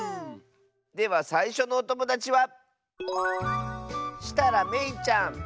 ではさいしょのおともだちはめいちゃんの。